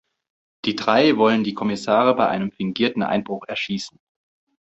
Die drei wollen die Kommissare bei einem fingierten Einbruch erschießen.